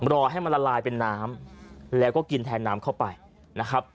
รอให้มันละลายเป็นน้ำแล้วก็กินแทนน้ำเข้าไปนะครับ